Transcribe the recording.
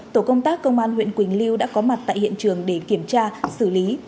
tổ công tác công an huyện quỳnh liêu đã có mặt tại hiện trường để kiểm tra xử lý